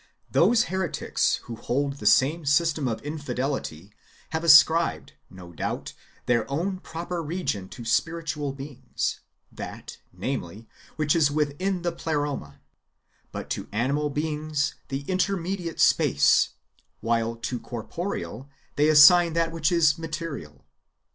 Those [heretics] who hold the same [system of] infidelity have ascribed, no doubt, their own proper region to spiritual beings, — that, namely, which is within the Pleroma, but to animal beings the intermediate space, while to corporeal they assign that wdilch is material.